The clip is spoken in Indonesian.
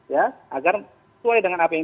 ya agar sesuai dengan apa yang